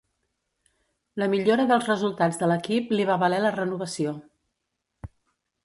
La millora dels resultats de l'equip li va valer la renovació.